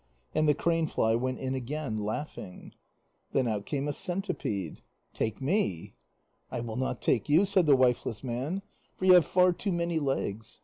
And the cranefly went in again, laughing. Then out came a centipede. "Take me." "I will not take you," said the wifeless man, "for you have far too many legs.